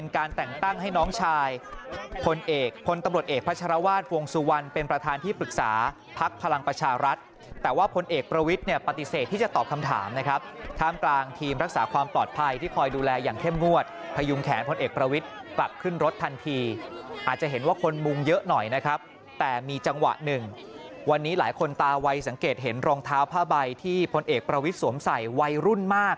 ของสุวรรณเป็นประธานที่ปรึกษาพักพลังประชารัฐแต่ว่าผลเอกประวิทย์เนี่ยปฏิเสธที่จะตอบคำถามนะครับข้ามกลางทีมรักษาความปลอดภัยที่คอยดูแลอย่างเข้มงวดพยุงแขนผลเอกประวิทย์กลับขึ้นรถทันทีอาจจะเห็นว่าคนมุงเยอะหน่อยนะครับแต่มีจังหวะหนึ่งวันนี้หลายคนตาวัยสังเกตเห็นรองเท้า